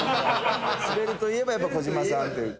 スベるといえばやっぱ児嶋さんという。